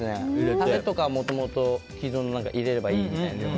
タレとか、もともと既存の入れればいいやつみたいな。